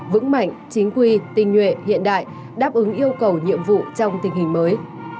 vững mạnh chính quy tinh nhuệ hiện đại đáp ứng yêu cầu nhiệm vụ trong tình hình mới